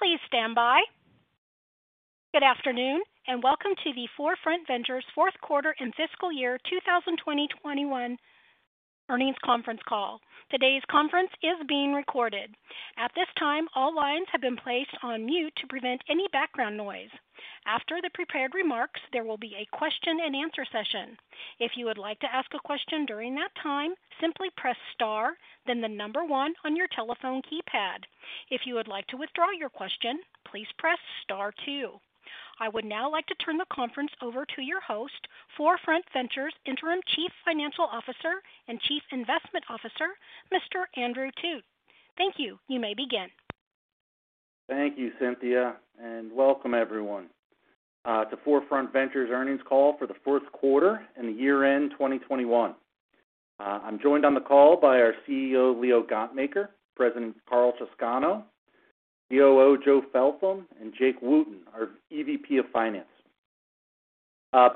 Please stand by. Good afternoon, and welcome to the 4Front Ventures fourth quarter and fiscal year 2021 earnings conference call. Today's conference is being recorded. At this time, all lines have been placed on mute to prevent any background noise. After the prepared remarks, there will be a question-and-answer session. If you would like to ask a question during that time, simply press star, then the number one on your telephone keypad. If you would like to withdraw your question, please press star two. I would now like to turn the conference over to your host, 4Front Ventures Interim Chief Financial Officer and Chief Investment Officer, Mr. Andrew Thut. Thank you. You may begin. Thank you, Cynthia, and welcome everyone to 4Front Ventures earnings call for the fourth quarter and the year-end 2021. I'm joined on the call by our CEO, Leo Gontmakher, President Karl Chowscano, COO Joe Feltham, and Jake Wooten, our EVP of Finance.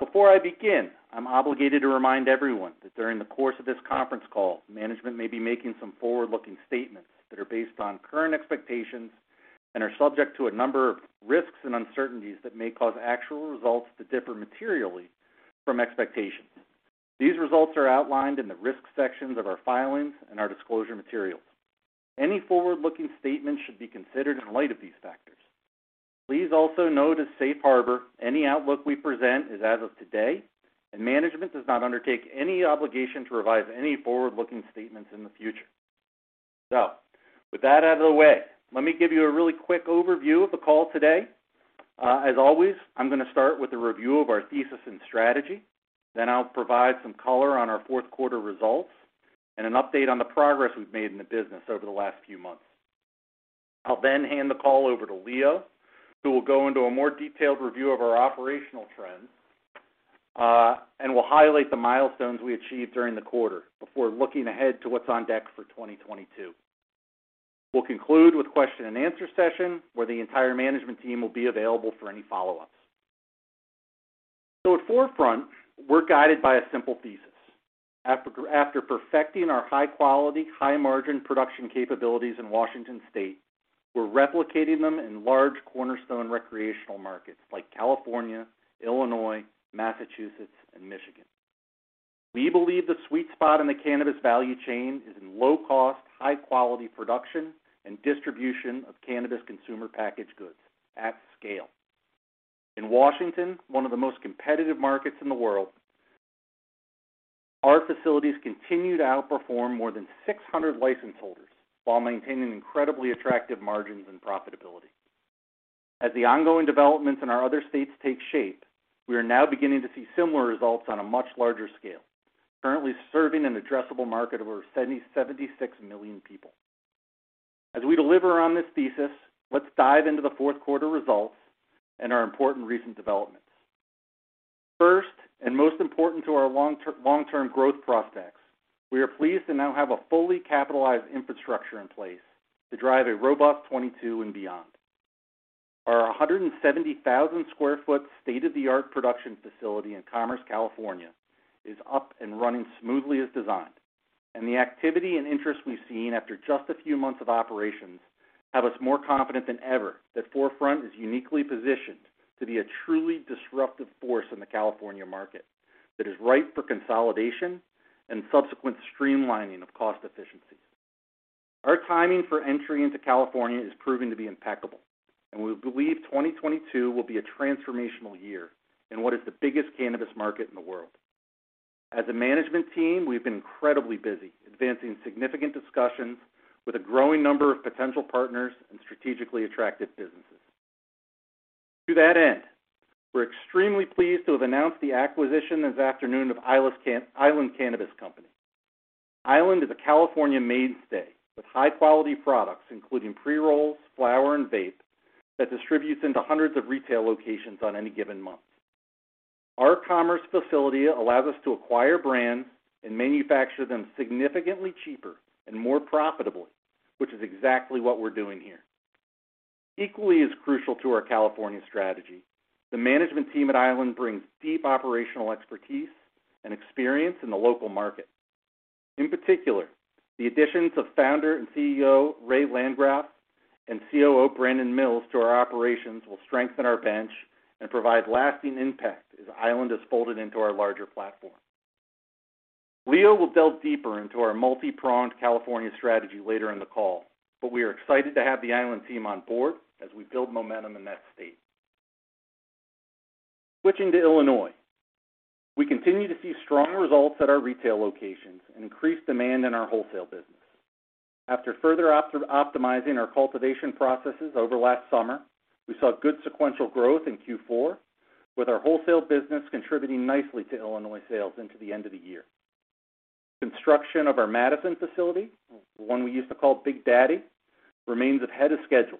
Before I begin, I'm obligated to remind everyone that during the course of this conference call, management may be making some forward-looking statements that are based on current expectations and are subject to a number of risks and uncertainties that may cause actual results to differ materially from expectations. These results are outlined in the risk sections of our filings and our disclosure materials. Any forward-looking statements should be considered in light of these factors. Please also note, as Safe Harbor, any outlook we present is as of today, and management does not undertake any obligation to revise any forward-looking statements in the future. With that out of the way, let me give you a really quick overview of the call today. As always, I'm gonna start with a review of our thesis and strategy. Then I'll provide some color on our fourth quarter results and an update on the progress we've made in the business over the last few months. I'll then hand the call over to Leo, who will go into a more detailed review of our operational trends, and will highlight the milestones we achieved during the quarter before looking ahead to what's on deck for 2022. We'll conclude with question-and-answer session, where the entire management team will be available for any follow-ups. At 4Front, we're guided by a simple thesis. After perfecting our high-quality, high-margin production capabilities in Washington State, we're replicating them in large cornerstone recreational markets like California, Illinois, Massachusetts, and Michigan. We believe the sweet spot in the cannabis value chain is in low-cost, high-quality production and distribution of cannabis consumer packaged goods at scale. In Washington, one of the most competitive markets in the world, our facilities continue to outperform more than 600 license holders while maintaining incredibly attractive margins and profitability. As the ongoing developments in our other states take shape, we are now beginning to see similar results on a much larger scale, currently serving an addressable market of over 76 million people. As we deliver on this thesis, let's dive into the fourth quarter results and our important recent developments. First, most important to our long-term growth prospects, we are pleased to now have a fully capitalized infrastructure in place to drive a robust 2022 and beyond. Our 170,000 sq ft state-of-the-art production facility in Commerce, California, is up and running smoothly as designed, and the activity and interest we've seen after just a few months of operations have us more confident than ever that 4Front is uniquely positioned to be a truly disruptive force in the California market that is ripe for consolidation and subsequent streamlining of cost efficiencies. Our timing for entry into California is proving to be impeccable, and we believe 2022 will be a transformational year in what is the biggest cannabis market in the world. As a management team, we've been incredibly busy advancing significant discussions with a growing number of potential partners and strategically attractive businesses. To that end, we're extremely pleased to have announced the acquisition this afternoon of Island Cannabis Company. Island is a California mainstay with high-quality products, including pre-rolls, flower, and vape, that distributes into hundreds of retail locations on any given month. Our commerce facility allows us to acquire brands and manufacture them significantly cheaper and more profitably, which is exactly what we're doing here. Equally as crucial to our California strategy, the management team at Island brings deep operational expertise and experience in the local market. In particular, the additions of founder and CEO Ray Landgraf and COO Brandon Mills to our operations will strengthen our bench and provide lasting impact as Island is folded into our larger platform. Leo will delve deeper into our multi-pronged California strategy later in the call, but we are excited to have the Island team on board as we build momentum in that state. Switching to Illinois, we continue to see strong results at our retail locations and increased demand in our wholesale business. After further optimizing our cultivation processes over last summer, we saw good sequential growth in Q4, with our wholesale business contributing nicely to Illinois sales into the end of the year. Construction of our Matteson facility, the one we used to call Big Daddy, remains ahead of schedule.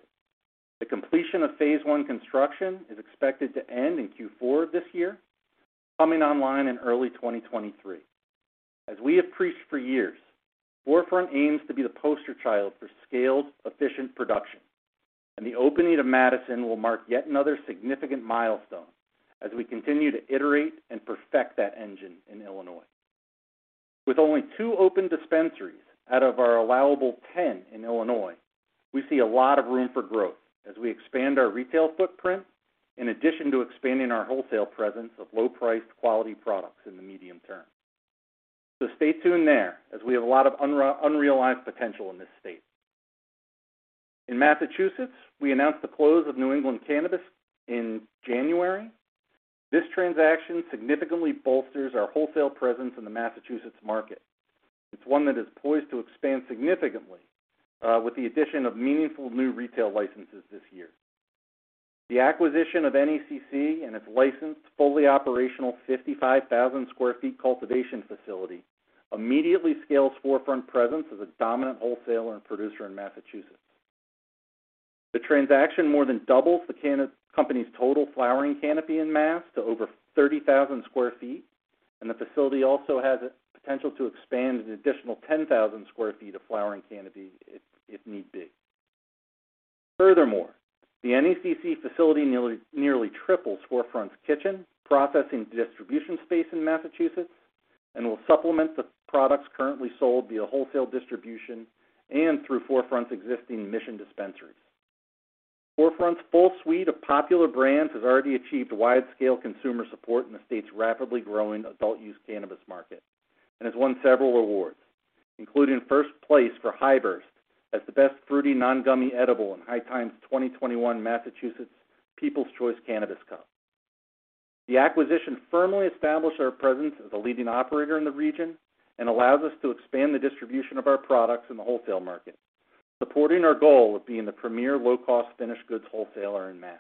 The completion of phase I construction is expected to end in Q4 of this year, coming online in early 2023. As we have preached for years, 4Front aims to be the poster child for scaled, efficient production, and the opening of Matteson will mark yet another significant milestone as we continue to iterate and perfect that engine in Illinois. With only two open dispensaries out of our allowable 10 in Illinois, we see a lot of room for growth as we expand our retail footprint in addition to expanding our wholesale presence of low-priced, quality products in the medium term. Stay tuned there as we have a lot of unrealized potential in this state. In Massachusetts, we announced the close of New England Cannabis Corporation in January. This transaction significantly bolsters our wholesale presence in the Massachusetts market. It's one that is poised to expand significantly with the addition of meaningful new retail licenses this year. The acquisition of NECC and its licensed, fully operational 55,000 sq ft cultivation facility immediately scales 4Front's presence as a dominant wholesaler and producer in Massachusetts. The transaction more than doubles the company's total flowering canopy in Mass to over 30,000 sq ft, and the facility also has potential to expand an additional 10,000 sq ft of flowering canopy if need be. Furthermore, the NECC facility nearly triples 4Front's kitchen, processing, distribution space in Massachusetts and will supplement the products currently sold via wholesale distribution and through 4Front's existing Mission dispensaries. 4Front's full suite of popular brands has already achieved wide-scale consumer support in the state's rapidly growing adult use cannabis market and has won several awards, including first place for Hi-Burst as the best fruity non-gummy edible in High Times 2021 Massachusetts People's Choice Cannabis Cup. The acquisition firmly established our presence as a leading operator in the region and allows us to expand the distribution of our products in the wholesale market, supporting our goal of being the premier low-cost finished goods wholesaler in Mass.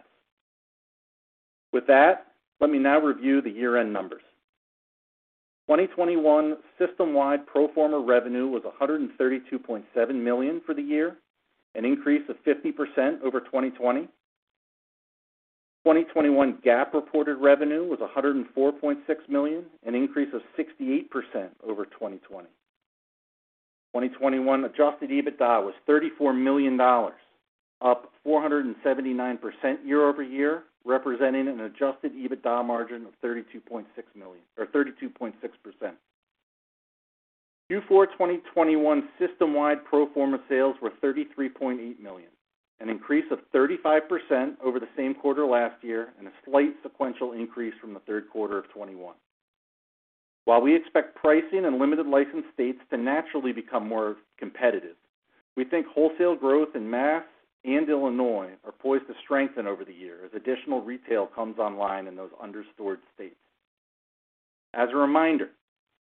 With that, let me now review the year-end numbers. 2021 system-wide pro forma revenue was $132.7 million for the year, an increase of 50% over 2020. 2021 GAAP reported revenue was $104.6 million, an increase of 68% over 2020. 2021 adjusted EBITDA was $34 million, up 479% year-over-year, representing an adjusted EBITDA margin of $32.6 million or 32.6%. Q4 2021 system-wide pro forma sales were $33.8 million, an increase of 35% over the same quarter last year and a slight sequential increase from the third quarter of 2021. While we expect pricing in limited licensed states to naturally become more competitive, we think wholesale growth in Mass and Illinois are poised to strengthen over the year as additional retail comes online in those under-stored states. As a reminder,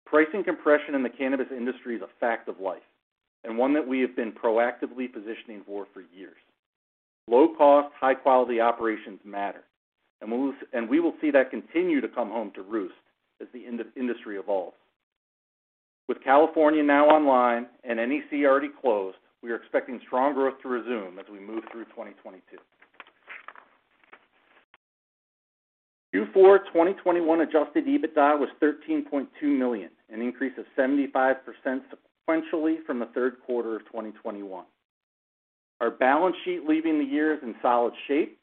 pricing compression in the cannabis industry is a fact of life and one that we have been proactively positioning for years. Low cost, high quality operations matter, and we will see that continue to come home to roost as the industry evolves. With California now online and NECC already closed, we are expecting strong growth to resume as we move through 2022. Q4 2021 adjusted EBITDA was $13.2 million, an increase of 75% sequentially from the third quarter of 2021. Our balance sheet leaving the year is in solid shape.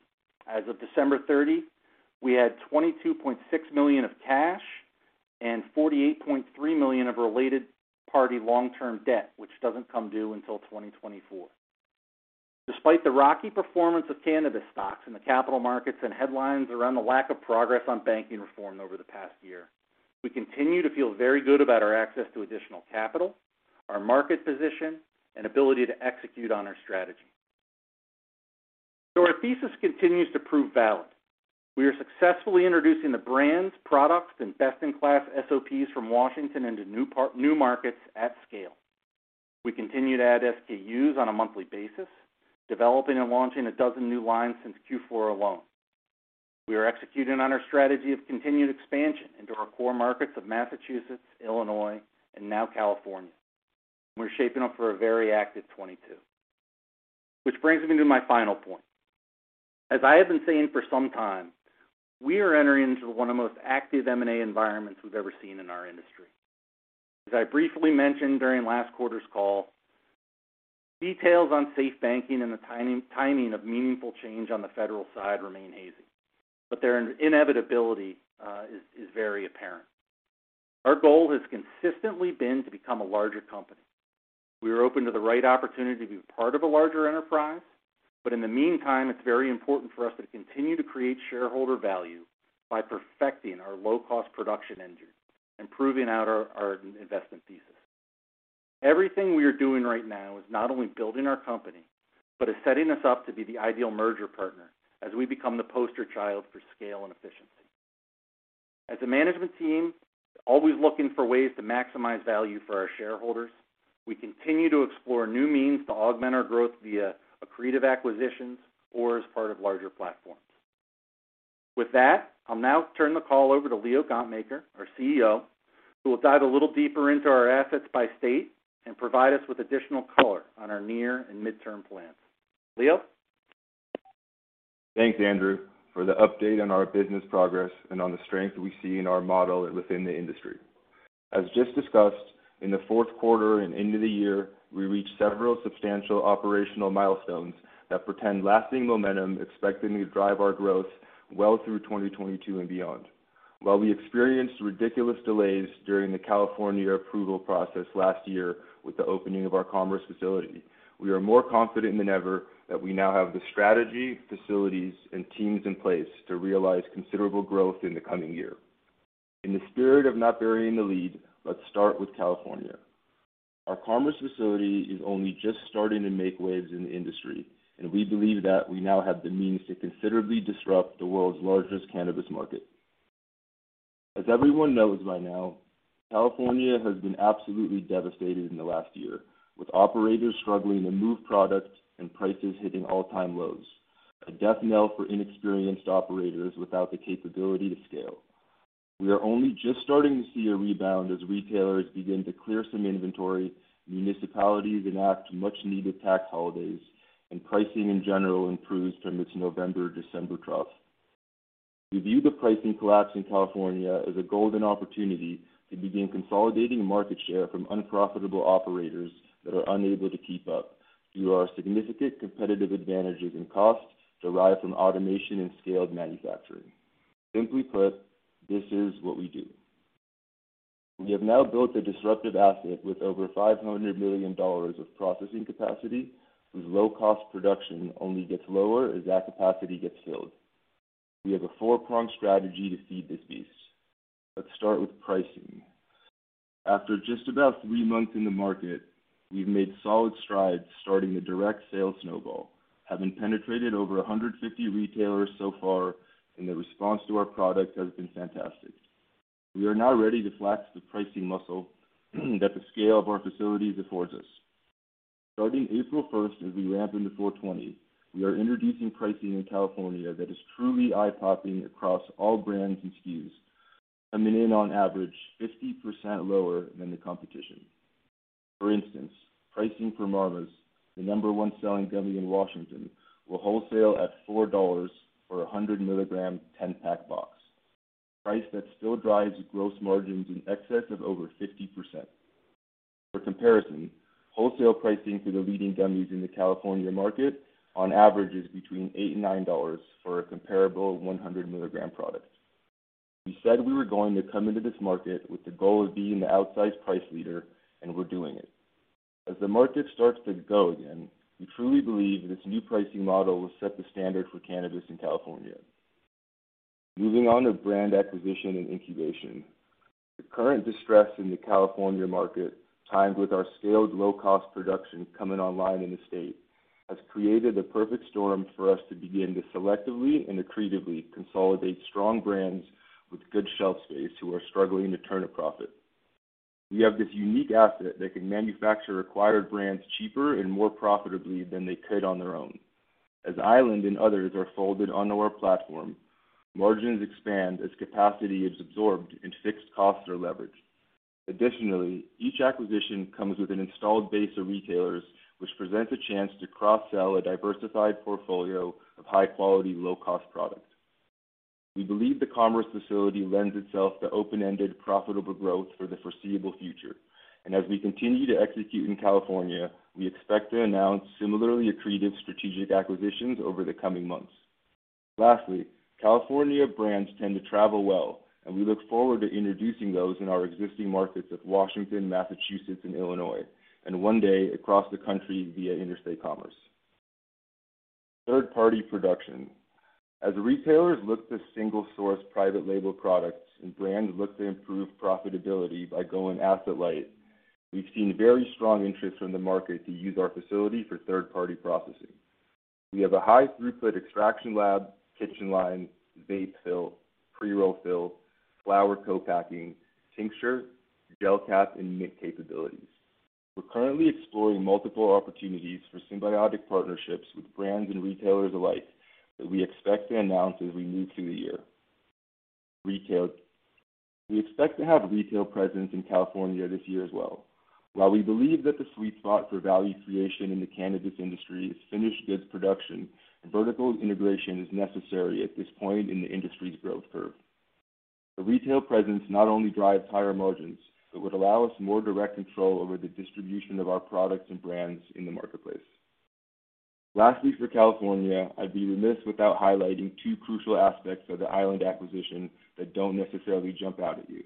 As of December 30, we had $22.6 million of cash and $48.3 million of related party long-term debt, which doesn't come due until 2024. Despite the rocky performance of cannabis stocks in the capital markets and headlines around the lack of progress on banking reform over the past year, we continue to feel very good about our access to additional capital, our market position, and ability to execute on our strategy. Our thesis continues to prove valid. We are successfully introducing the brands, products, and best-in-class SOPs from Washington into new markets at scale. We continue to add SKUs on a monthly basis, developing and launching 12 new lines since Q4 alone. We are executing on our strategy of continued expansion into our core markets of Massachusetts, Illinois, and now California. We're shaping up for a very active 2022. Which brings me to my final point. As I have been saying for some time, we are entering into one of the most active M&A environments we've ever seen in our industry. As I briefly mentioned during last quarter's call, details on SAFE Banking and the timing of meaningful change on the federal side remain hazy, but their inevitability is very apparent. Our goal has consistently been to become a larger company. We are open to the right opportunity to be part of a larger enterprise, but in the meantime, it's very important for us to continue to create shareholder value by perfecting our low-cost production engine and proving out our investment thesis. Everything we are doing right now is not only building our company, but is setting us up to be the ideal merger partner as we become the poster child for scale and efficiency. As a management team, always looking for ways to maximize value for our shareholders, we continue to explore new means to augment our growth via accretive acquisitions or as part of larger platforms. With that, I'll now turn the call over to Leo Gontmakher, our CEO, who will dive a little deeper into our assets by state and provide us with additional color on our near and midterm plans. Leo? Thanks, Andrew, for the update on our business progress and on the strength we see in our model within the industry. As just discussed, in the fourth quarter and into the year, we reached several substantial operational milestones that portend lasting momentum, expecting to drive our growth well through 2022 and beyond. While we experienced ridiculous delays during the California approval process last year with the opening of our commerce facility, we are more confident than ever that we now have the strategy, facilities, and teams in place to realize considerable growth in the coming year. In the spirit of not burying the lead, let's start with California. Our commerce facility is only just starting to make waves in the industry, and we believe that we now have the means to considerably disrupt the world's largest cannabis market. As everyone knows by now, California has been absolutely devastated in the last year, with operators struggling to move products and prices hitting all-time lows, a death knell for inexperienced operators without the capability to scale. We are only just starting to see a rebound as retailers begin to clear some inventory, municipalities enact much-needed tax holidays, and pricing in general improves from its November-December trough. We view the pricing collapse in California as a golden opportunity to begin consolidating market share from unprofitable operators that are unable to keep up through our significant competitive advantages in cost derived from automation and scaled manufacturing. Simply put, this is what we do. We have now built a disruptive asset with over $500 million of processing capacity, whose low cost production only gets lower as that capacity gets filled. We have a four-pronged strategy to feed this beast. Let's start with pricing. After just about three months in the market, we've made solid strides starting the direct sales snowball, having penetrated over 150 retailers so far, and the response to our product has been fantastic. We are now ready to flex the pricing muscle that the scale of our facilities affords us. Starting April 1st, as we ramp into 4/20, we are introducing pricing in California that is truly eye-popping across all brands and SKUs, coming in on average 50% lower than the competition. For instance, pricing for Marmas, the number one selling gummy in Washington, will wholesale at $4 for a 100 mg 10-pack box. That price still drives gross margins in excess of over 50%. For comparison, wholesale pricing for the leading gummies in the California market on average is between $8 and $9 for a comparable 100 mg product. We said we were going to come into this market with the goal of being the outsized price leader, and we're doing it. As the market starts to go again, we truly believe this new pricing model will set the standard for cannabis in California. Moving on to brand acquisition and incubation. The current distress in the California market, timed with our scaled low cost production coming online in the state, has created a perfect storm for us to begin to selectively and accretively consolidate strong brands with good shelf space who are struggling to turn a profit. We have this unique asset that can manufacture acquired brands cheaper and more profitably than they could on their own. As Island and others are folded onto our platform, margins expand as capacity is absorbed and fixed costs are leveraged. Additionally, each acquisition comes with an installed base of retailers, which presents a chance to cross-sell a diversified portfolio of high-quality, low-cost products. We believe the commerce facility lends itself to open-ended, profitable growth for the foreseeable future. as we continue to execute in California, we expect to announce similarly accretive strategic acquisitions over the coming months. Lastly, California brands tend to travel well, and we look forward to introducing those in our existing markets of Washington, Massachusetts, and Illinois, and one day across the country via interstate commerce. Third-party production. As retailers look to single source private label products and brands look to improve profitability by going asset light, we've seen very strong interest from the market to use our facility for third-party processing. We have a high throughput extraction lab, kitchen line, vape fill, pre-roll fill, flower co-packing, tincture, gel caps, and nic capabilities. We're currently exploring multiple opportunities for symbiotic partnerships with brands and retailers alike that we expect to announce as we move through the year. Retail. We expect to have retail presence in California this year as well. While we believe that the sweet spot for value creation in the cannabis industry is finished goods production, vertical integration is necessary at this point in the industry's growth curve. The retail presence not only drives higher margins, but would allow us more direct control over the distribution of our products and brands in the marketplace. Lastly, for California, I'd be remiss without highlighting two crucial aspects of the Island acquisition that don't necessarily jump out at you.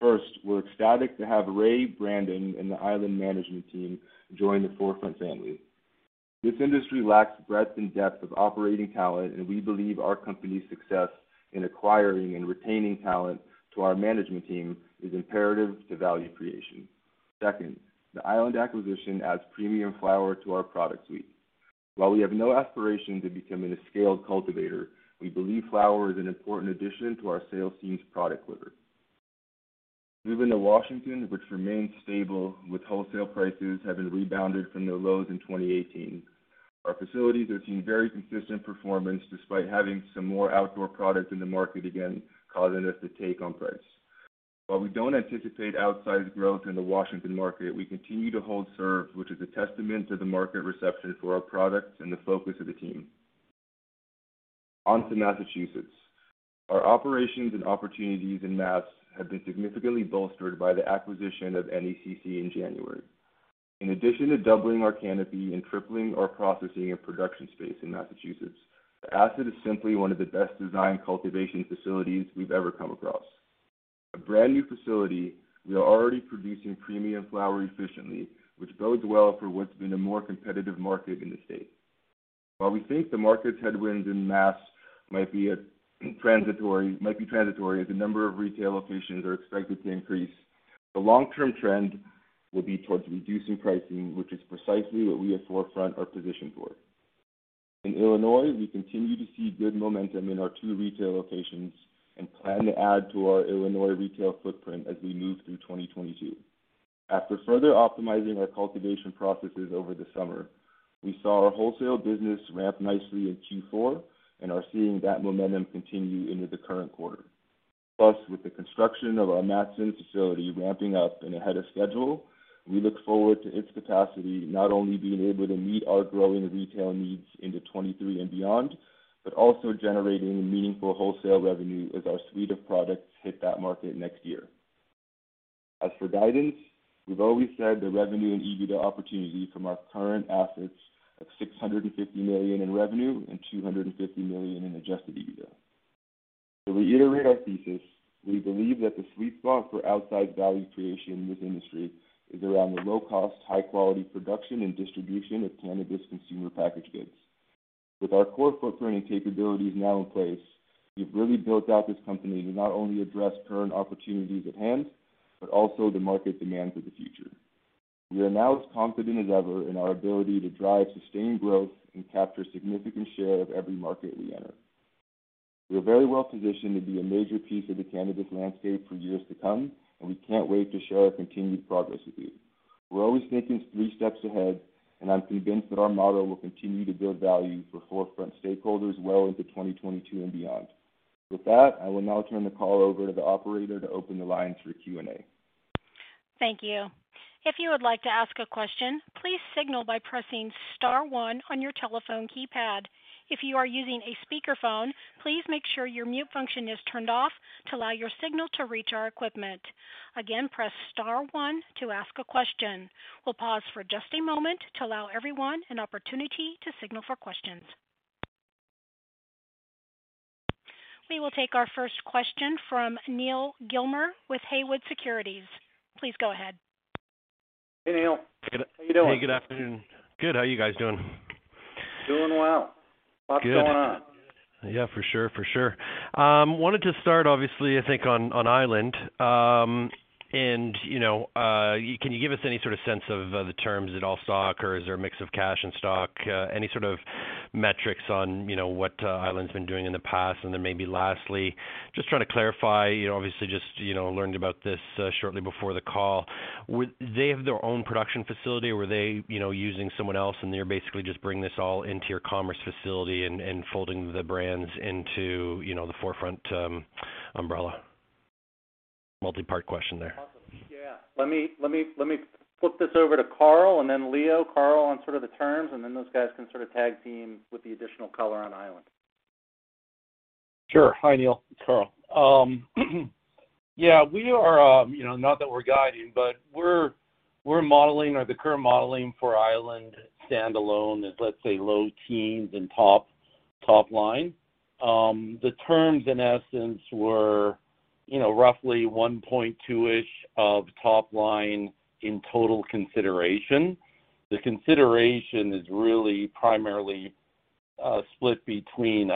First, we're ecstatic to have Ray, Brandon, and the Island management team join the 4Front family. This industry lacks breadth and depth of operating talent, and we believe our company's success in acquiring and retaining talent to our management team is imperative to value creation. Second, the Island acquisition adds premium flower to our product suite. While we have no aspiration to becoming a scaled cultivator, we believe flower is an important addition to our sales team's product quiver. Moving to Washington, which remains stable, with wholesale prices having rebounded from their lows in 2018. Our facilities are seeing very consistent performance despite having some more outdoor product in the market again, causing us to take on price. While we don't anticipate outsized growth in the Washington market, we continue to hold serve, which is a testament to the market reception for our products and the focus of the team. On to Massachusetts. Our operations and opportunities in Mass have been significantly bolstered by the acquisition of NECC in January. In addition to doubling our canopy and tripling our processing and production space in Massachusetts, the asset is simply one of the best-designed cultivation facilities we've ever come across. A brand-new facility, we are already producing premium flower efficiently, which bodes well for what's been a more competitive market in the state. While we think the market's headwinds in Mass might be transitory as the number of retail locations are expected to increase, the long-term trend will be towards reducing pricing, which is precisely what we at 4Front are positioned for. In Illinois, we continue to see good momentum in our two retail locations and plan to add to our Illinois retail footprint as we move through 2022. After further optimizing our cultivation processes over the summer, we saw our wholesale business ramp nicely in Q4 and are seeing that momentum continue into the current quarter. Plus, with the construction of our Matteson facility ramping up and ahead of schedule, we look forward to its capacity not only being able to meet our growing retail needs into 2023 and beyond, but also generating meaningful wholesale revenue as our suite of products hit that market next year. As for guidance, we've always said the revenue and EBITDA opportunity from our current assets of $650 million in revenue and $250 million in adjusted EBITDA. To reiterate our thesis, we believe that the sweet spot for outsized value creation in this industry is around the low-cost, high-quality production and distribution of cannabis consumer packaged goods. With our core footprint and capabilities now in place, we've really built out this company to not only address current opportunities at hand, but also the market demands of the future. We are now as confident as ever in our ability to drive sustained growth and capture significant share of every market we enter. We are very well-positioned to be a major piece of the cannabis landscape for years to come, and we can't wait to share our continued progress with you. We're always thinking three steps ahead, and I'm convinced that our model will continue to build value for 4Front stakeholders well into 2022 and beyond. With that, I will now turn the call over to the operator to open the line for Q&A. Thank you. If you would like to ask a question, please signal by pressing star one on your telephone keypad. If you are using a speakerphone, please make sure your mute function is turned off to allow your signal to reach our equipment. Again, press star one to ask a question. We'll pause for just a moment to allow everyone an opportunity to signal for questions. We will take our first question from Neal Gilmer with Haywood Securities. Please go ahead. Hey, Neil. How you doing? Hey, good afternoon. Good. How you guys doing? Doing well. Good. Lots going on. Yeah, for sure. Wanted to start obviously, I think, on Island. You know, can you give us any sort of sense of the terms at all stock, or is there a mix of cash and stock, any sort of metrics on, you know, what Island's been doing in the past? Maybe lastly, just trying to clarify, you know, obviously just, you know, learned about this shortly before the call. Would they have their own production facility, or were they, you know, using someone else and they're basically just bring this all into your cultivation facility and folding the brands into, you know, the 4Front umbrella? Multi-part question there. Yeah. Let me flip this over to Karl and then Leo. Karl on sort of the terms, and then those guys can sort of tag team with the additional color on Island. Sure. Hi, Neil. It's Karl. Yeah, we are not that we're guiding, but we're modeling or the current modeling for Island standalone is, let's say, low teens in top line. The terms in essence were roughly 1.2-ish of top line in total consideration. The consideration is really primarily split between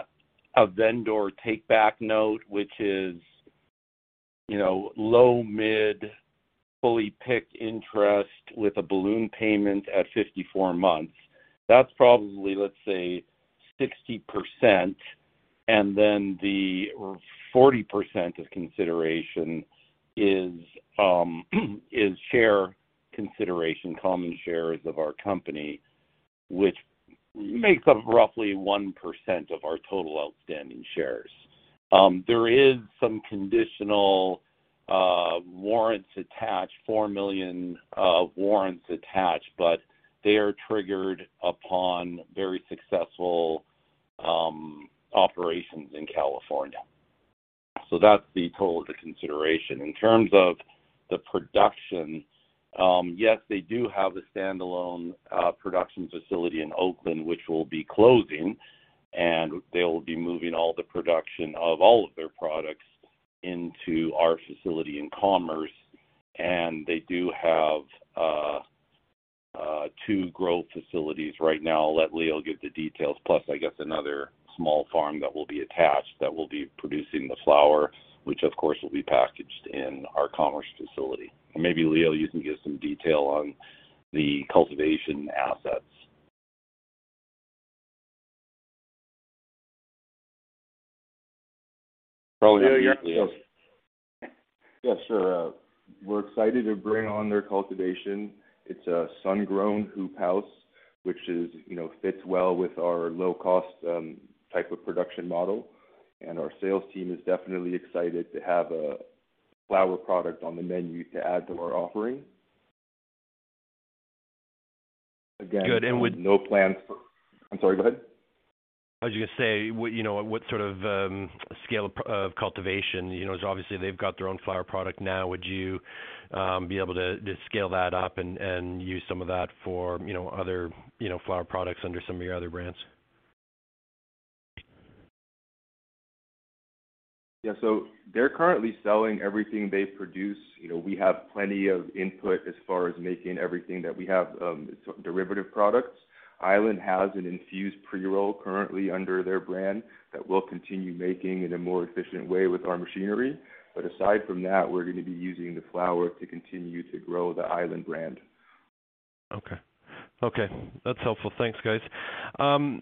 a vendor take-back note, which is low- to mid-fixed interest with a balloon payment at 54 months. That's probably, let's say, 60%. The 40% of consideration is share consideration, common shares of our company, which makes up roughly 1% of our total outstanding shares. There is some conditional warrants attached, 4 million warrants attached, but they are triggered upon very successful operations in California. That's the total of the consideration. In terms of the production, yes, they do have a standalone production facility in Oakland, which will be closing, and they'll be moving all the production of all of their products into our facility in Commerce. They do have two growth facilities right now. I'll let Leo give the details. Plus, I guess another small farm that will be attached that will be producing the flower, which of course will be packaged in our Commerce facility. Maybe Leo, you can give some detail on the cultivation assets. Yeah, sure. We're excited to bring on their cultivation. It's a sun-grown hoop house, which is, you know, fits well with our low-cost type of production model. Our sales team is definitely excited to have a flower product on the menu to add to our offering. Again. Good. I'm sorry, go ahead. I was gonna say, what, you know, what sort of scale of cultivation, you know, as obviously they've got their own flower product now, would you be able to scale that up and use some of that for, you know, other, you know, flower products under some of your other brands? Yeah. They're currently selling everything they produce. You know, we have plenty of input as far as making everything that we have, sort of derivative products. Island has an infused pre-roll currently under their brand that we'll continue making in a more efficient way with our machinery. But aside from that, we're gonna be using the flower to continue to grow the Island brand. Okay, that's helpful. Thanks, guys.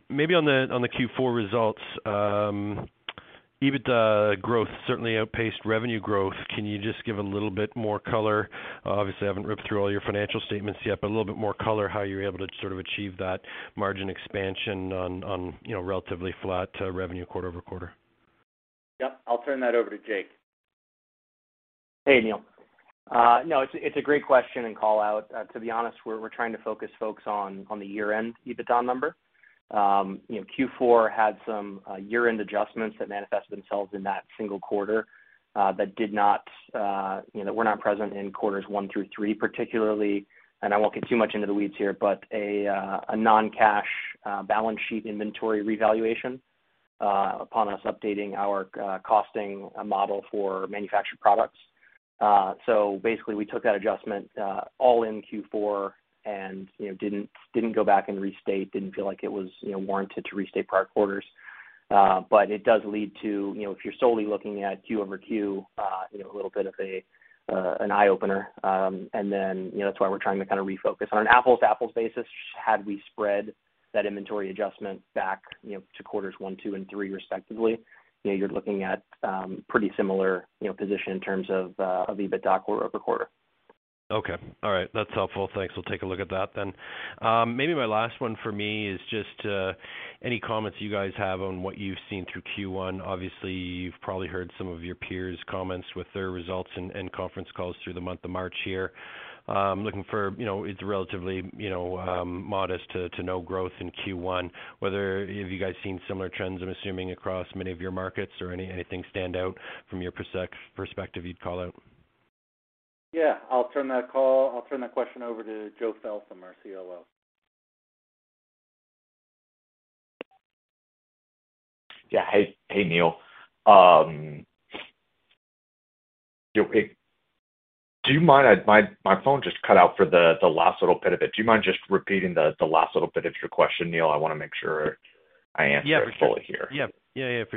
Maybe on the Q4 results, EBITDA growth certainly outpaced revenue growth. Can you just give a little bit more color? Obviously, I haven't ripped through all your financial statements yet, but a little bit more color how you're able to sort of achieve that margin expansion on, you know, relatively flat revenue quarter-over-quarter. Yep, I'll turn that over to Jake. Hey, Neal. No, it's a great question and call-out. To be honest, we're trying to focus folks on the year-end EBITDA number. You know, Q4 had some year-end adjustments that manifested themselves in that single quarter that were not present in quarters one through three particularly. I won't get too much into the weeds here, but a non-cash balance sheet inventory revaluation upon us updating our costing model for manufactured products. Basically, we took that adjustment all in Q4 and, you know, didn't go back and restate, didn't feel like it was, you know, warranted to restate prior quarters. But it does lead to, you know, if you're solely looking at Q over Q, you know, a little bit of an eye-opener. You know, that's why we're trying to kind of refocus. On an apples-to-apples basis, had we spread that inventory adjustment back, you know, to quarters one, two, and three respectively, you know, you're looking at pretty similar, you know, position in terms of EBITDA quarter-over-quarter. Okay. All right. That's helpful. Thanks. We'll take a look at that then. Maybe my last one for me is just any comments you guys have on what you've seen through Q1. Obviously, you've probably heard some of your peers' comments with their results and conference calls through the month of March here. Looking for, you know, it's relatively, you know, modest to no growth in Q1, what have you guys seen similar trends, I'm assuming across many of your markets or anything stand out from your perspective you'd call out? I'll turn that question over to Joe Feltham, our COO. Yeah. Hey, Neal. Yo, hey, do you mind? My phone just cut out for the last little bit of it. Do you mind just repeating the last little bit of your question, Neal? I wanna make sure I answered it fully here. Yeah, for sure. It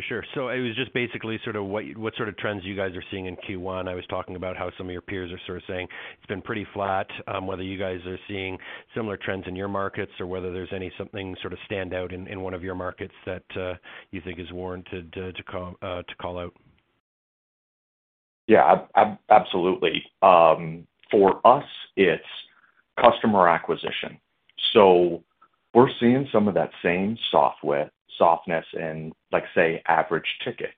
was just basically sort of what sort of trends you guys are seeing in Q1. I was talking about how some of your peers are sort of saying it's been pretty flat, whether you guys are seeing similar trends in your markets or whether there's anything sort of stands out in one of your markets that you think is warranted to call out. Yeah. Absolutely. For us, it's customer acquisition. We're seeing some of that same softness in, like, say, average ticket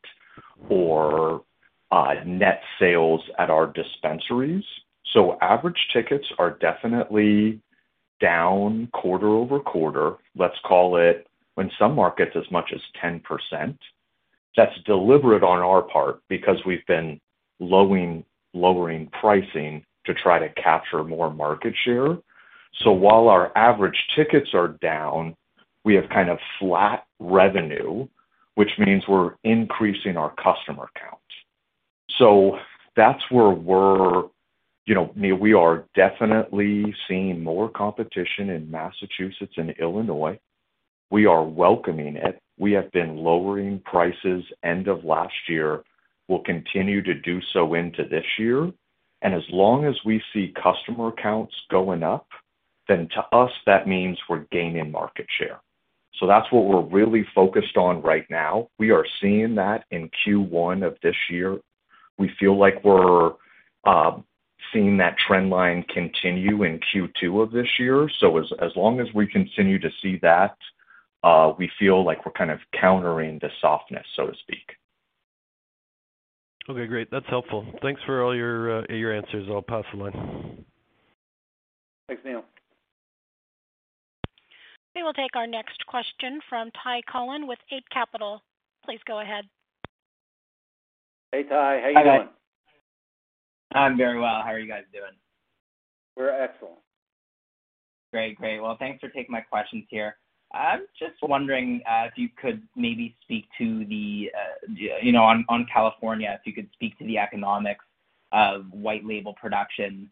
or net sales at our dispensaries. Average tickets are definitely down quarter-over-quarter. Let's call it, in some markets, as much as 10%. That's deliberate on our part because we've been lowering pricing to try to capture more market share. While our average tickets are down, we have kind of flat revenue, which means we're increasing our customer count. That's where we're. You know, Neal, we are definitely seeing more competition in Massachusetts and Illinois. We are welcoming it. We have been lowering prices end of last year. We'll continue to do so into this year. As long as we see customer counts going up, then to us that means we're gaining market share. That's what we're really focused on right now. We are seeing that in Q1 of this year. We feel like we're seeing that trend line continue in Q2 of this year. As long as we continue to see that, we feel like we're kind of countering the softness, so to speak. Okay, great. That's helpful. Thanks for all your answers. I'll pass the line. Thanks, Neal. We will take our next question from Ty Collin with Eight Capital. Please go ahead. Hey, Ty. How are you doing? Hi, guys. I'm very well. How are you guys doing? We're excellent. Great. Well, thanks for taking my questions here. I'm just wondering if you could maybe speak to the, you know, on California, if you could speak to the economics of white label production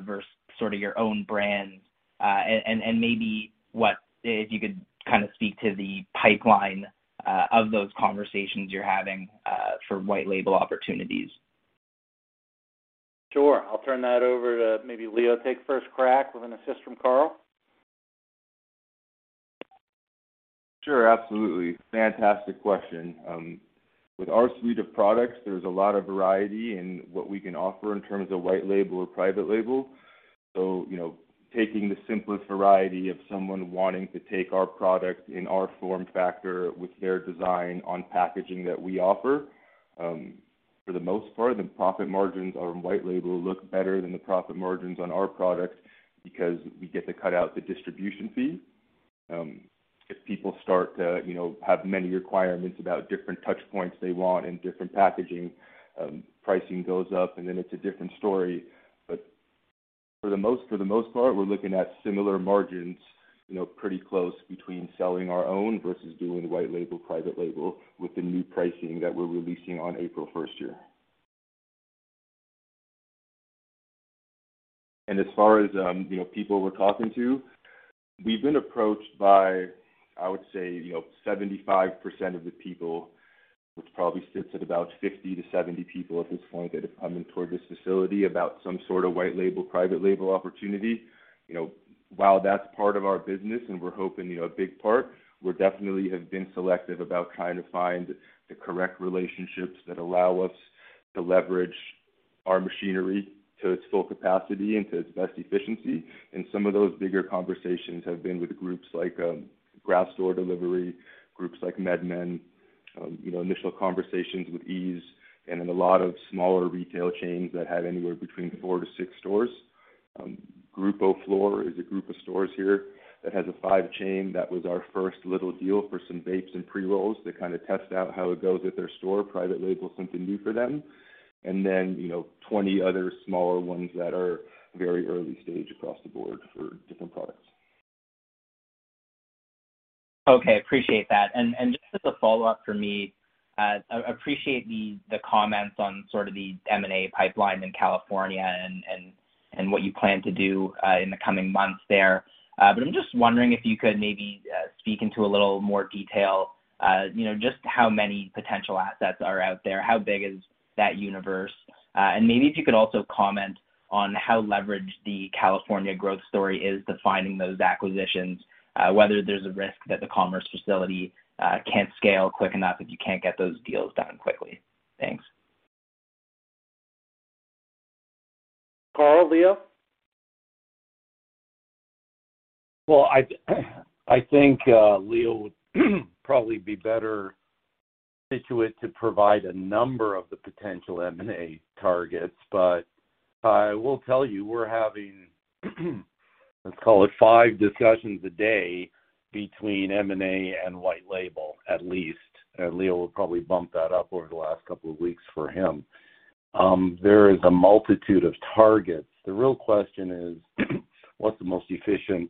versus sort of your own brands. And maybe what, if you could kind of speak to the pipeline of those conversations you're having for white label opportunities. Sure. I'll turn that over to maybe Leo to take first crack with an assist from Karl. Sure. Absolutely. Fantastic question. With our suite of products, there's a lot of variety in what we can offer in terms of white label or private label. You know, taking the simplest variety of someone wanting to take our product in our form factor with their design on packaging that we offer. For the most part, the profit margins on white label look better than the profit margins on our product because we get to cut out the distribution fee. If people start to, you know, have many requirements about different touch points they want and different packaging, pricing goes up, and then it's a different story. But for the most part, we're looking at similar margins, you know, pretty close between selling our own versus doing white label, private label with the new pricing that we're releasing on April first year. As far as, you know, people we're talking to, we've been approached by, I would say, you know, 75% of the people, which probably sits at about 50-70 people at this point that are coming toward this facility about some sort of white label, private label opportunity. You know, while that's part of our business and we're hoping, you know, a big part, we definitely have been selective about trying to find the correct relationships that allow us to leverage our machinery to its full capacity and to its best efficiency. Some of those bigger conversations have been with groups like, Grassdoor, groups like MedMen, you know, initial conversations with Eaze, and in a lot of smaller retail chains that have anywhere between 4-6 stores. Grupo Flor is a group of stores here that has a five-store chain. That was our first little deal for some vapes and pre-rolls to kind of test out how it goes at their store, private label, something new for them. You know, 20 other smaller ones that are very early stage across the board for different products. Okay. Appreciate that. Just as a follow-up for me, I appreciate the comments on sort of the M&A pipeline in California and what you plan to do in the coming months there. I'm just wondering if you could maybe speak into a little more detail, you know, just how many potential assets are out there, how big is that universe? And maybe if you could also comment on how leveraged the California growth story is to finding those acquisitions, whether there's a risk that the commerce facility can't scale quick enough if you can't get those deals done quickly. Thanks. Karl, Leo? Well, I think Leo would probably be better situated to provide a number of the potential M&A targets. I will tell you, we're having, let's call it five discussions a day between M&A and white label, at least. Leo will probably bump that up over the last couple of weeks for him. There is a multitude of targets. The real question is, what's the most efficient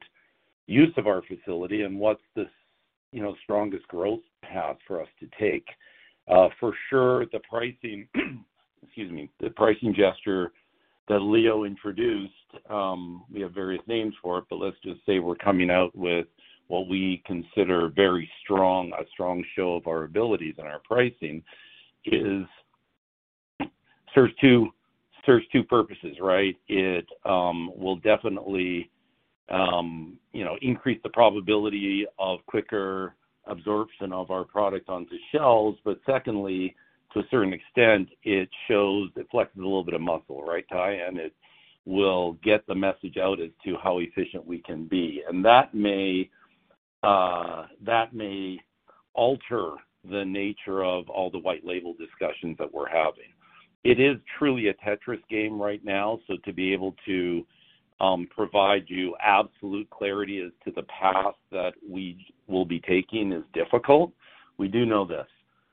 use of our facility and what's the, you know, strongest growth path for us to take? For sure, the pricing, excuse me, the pricing gesture that Leo introduced, we have various names for it, but let's just say we're coming out with what we consider a strong show of our abilities and our pricing serves two purposes, right? It will definitely you know increase the probability of quicker absorption of our product onto shelves. Secondly, to a certain extent, it shows it flexes a little bit of muscle, right, Ty? It will get the message out as to how efficient we can be. That may alter the nature of all the white label discussions that we're having. It is truly a Tetris game right now, so to be able to provide you absolute clarity as to the path that we will be taking is difficult. We do know this.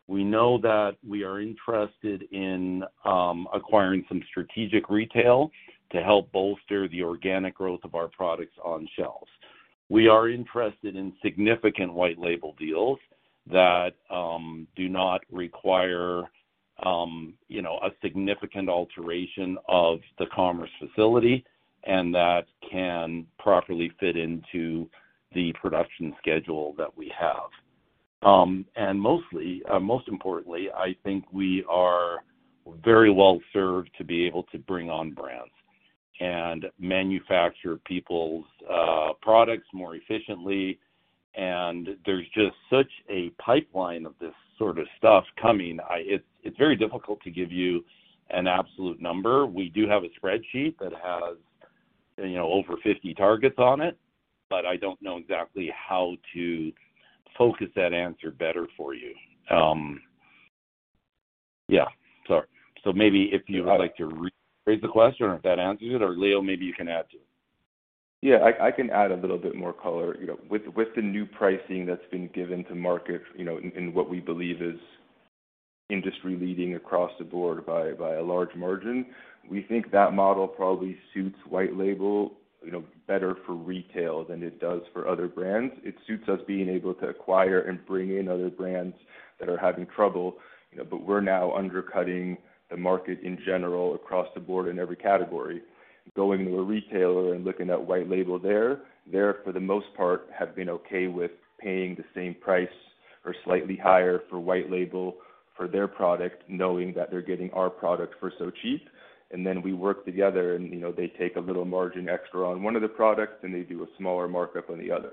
We know that we are interested in acquiring some strategic retail to help bolster the organic growth of our products on shelves. We are interested in significant white label deals that do not require you know a significant alteration of the commercial facility and that can properly fit into the production schedule that we have. Mostly, most importantly, I think we are very well-served to be able to bring on brands and manufacture people's products more efficiently. There's just such a pipeline of this sort of stuff coming. It's very difficult to give you an absolute number. We do have a spreadsheet that has you know over 50 targets on it, but I don't know exactly how to focus that answer better for you. Yeah. Sorry. Maybe if you would like to rephrase the question or if that answers it, or Leo, maybe you can add to it. Yeah, I can add a little bit more color. You know, with the new pricing that's been given to market, you know, in what we believe is industry-leading across the board by a large margin, we think that model probably suits white label, you know, better for retail than it does for other brands. It suits us being able to acquire and bring in other brands that are having trouble, you know, but we're now undercutting the market in general across the board in every category. Going to a retailer and looking at white label there, they for the most part have been okay with paying the same price or slightly higher for white label for their product, knowing that they're getting our product for so cheap. We work together and, you know, they take a little margin extra on one of the products, and they do a smaller markup on the other.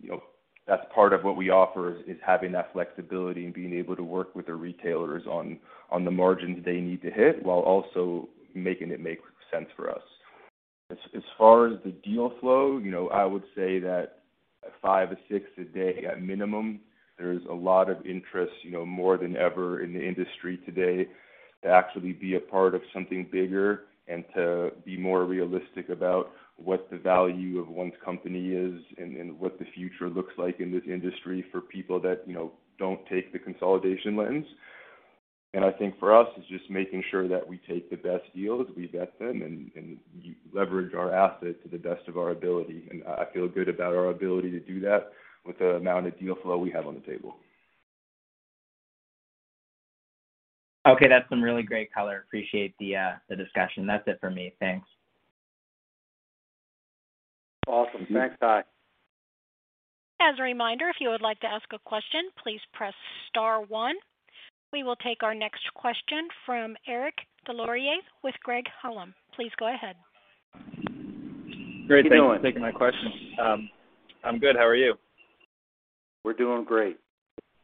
You know, that's part of what we offer is having that flexibility and being able to work with the retailers on the margins they need to hit while also making it make sense for us. As far as the deal flow, you know, I would say that five or six a day at minimum. There's a lot of interest, you know, more than ever in the industry today to actually be a part of something bigger and to be more realistic about what the value of one's company is and what the future looks like in this industry for people that, you know, don't take the consolidation lens. I think for us, it's just making sure that we take the best deals, we vet them and leverage our asset to the best of our ability. I feel good about our ability to do that with the amount of deal flow we have on the table. Okay, that's some really great color. Appreciate the discussion. That's it for me. Thanks. Awesome. Thanks, Ty. As a reminder, if you would like to ask a question, please press star one. We will take our next question from Eric Des Lauriers with Craig-Hallum. Please go ahead. Great. Thank you for taking my question. I'm good. How are you? We're doing great.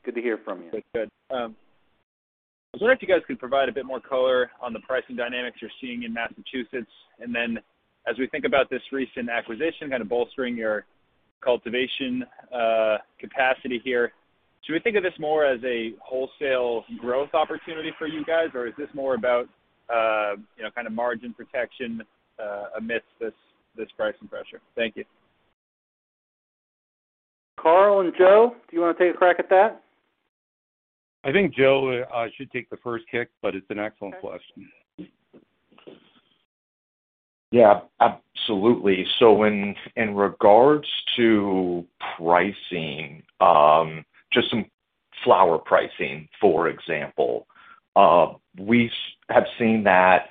Good to hear from you. I was wondering if you guys could provide a bit more color on the pricing dynamics you're seeing in Massachusetts. As we think about this recent acquisition kind of bolstering your cultivation capacity here, should we think of this more as a wholesale growth opportunity for you guys, or is this more about you know kind of margin protection amidst this pricing pressure? Thank you. Karl and Joe, do you wanna take a crack at that? I think Joe should take the first kick, but it's an excellent question. Yeah, absolutely. In regards to pricing, just some flower pricing, for example, we have seen that,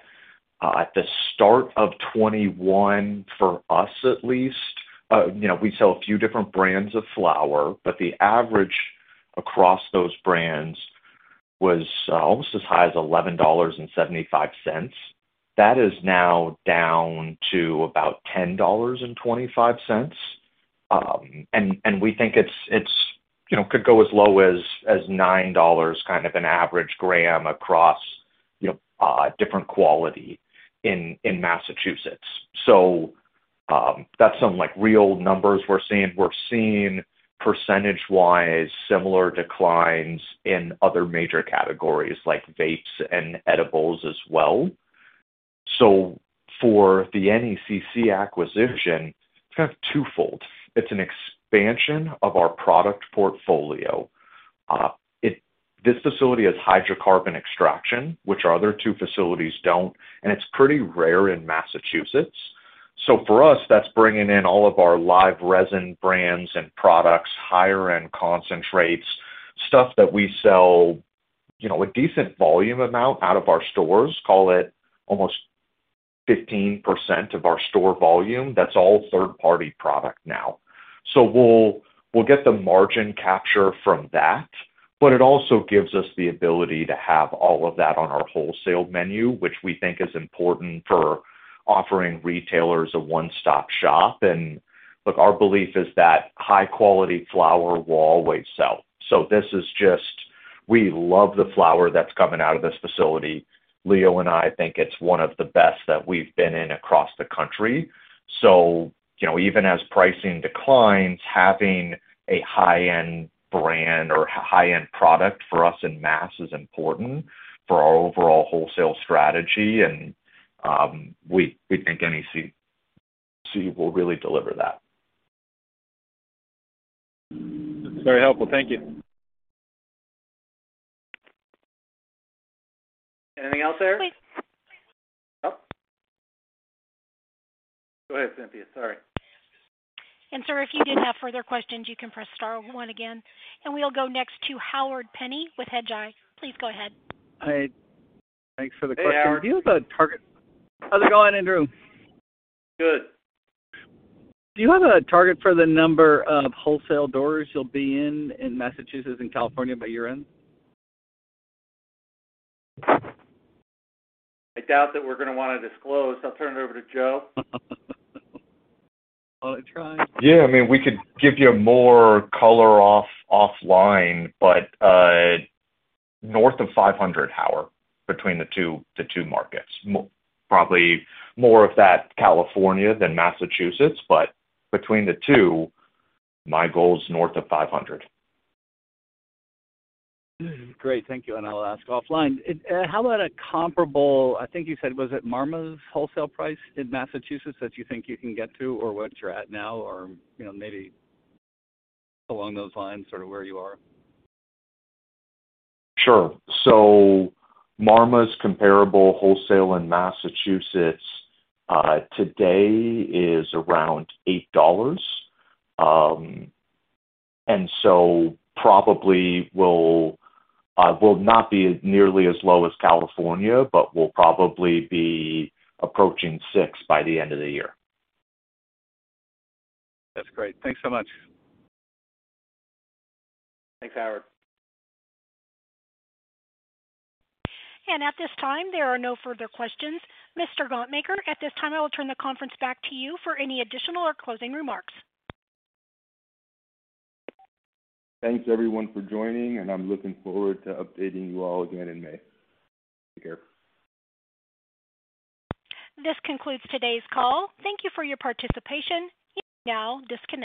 at the start of 2021 for us at least, you know, we sell a few different brands of flower, but the average across those brands was almost as high as $11.75. That is now down to about $10.25. And we think it could go as low as $9, kind of an average gram across, you know, different quality in Massachusetts. That's some like real numbers we're seeing. We're seeing percentage-wise similar declines in other major categories like vapes and edibles as well. For the NECC acquisition, it's kind of twofold. It's an expansion of our product portfolio. This facility is hydrocarbon extraction, which our other two facilities don't, and it's pretty rare in Massachusetts. For us, that's bringing in all of our live resin brands and products, higher-end concentrates, stuff that we sell, you know, a decent volume amount out of our stores, call it almost 15% of our store volume. That's all third-party product now. We'll get the margin capture from that, but it also gives us the ability to have all of that on our wholesale menu, which we think is important for offering retailers a one-stop shop. Look, our belief is that high-quality flower will always sell. This is just. We love the flower that's coming out of this facility. Leo and I think it's one of the best that we've been in across the country. You know, even as pricing declines, having a high-end brand or high-end product for us in Mass. is important for our overall wholesale strategy. We think NECC will really deliver that. Very helpful. Thank you. Anything else there? Please. No? Go ahead, Cynthia. Sorry. Sir, if you didn't have further questions, you can press star one again. We'll go next to Howard Penney with Hedgeye. Please go ahead. Hi. Thanks for the question. Hey, Howard. Do you have a target? How's it going, Andrew? Good. Do you have a target for the number of wholesale doors you'll be in in Massachusetts and California by year-end? I doubt that we're gonna wanna disclose. I'll turn it over to Joe. Well, I tried. I mean, we could give you more color offline, but north of 500, Howard, between the two markets. More probably more of that California than Massachusetts, but between the two, my goal is north of 500. Great. Thank you. I'll ask offline. How about a comparable? I think you said, was it Marmas wholesale price in Massachusetts that you think you can get to or what you're at now or, you know, maybe along those lines sort of where you are? Marmas comparable wholesale in Massachusetts today is around $8. Probably will not be nearly as low as California, but will probably be approaching $6 by the end of the year. That's great. Thanks so much. Thanks, Howard. At this time, there are no further questions. Mr. Gontmakher, at this time, I will turn the conference back to you for any additional or closing remarks. Thanks, everyone, for joining, and I'm looking forward to updating you all again in May. Take care. This concludes today's call. Thank you for your participation. You may now disconnect.